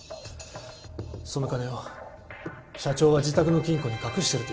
その金を社長は自宅の金庫に隠してるというんです。